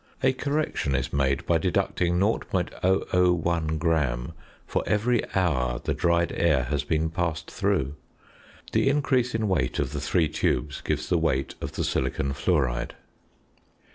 A correction is made by deducting 0.001 gram for every hour the dried air has been passed through. The increase in weight of the three tubes gives the weight of the silicon fluoride.